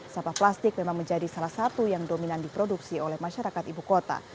sampah plastik memang menjadi salah satu yang dominan diproduksi oleh masyarakat ibu kota